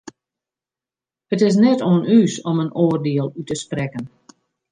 It is net oan ús om in oardiel út te sprekken.